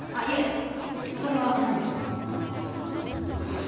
それはないです。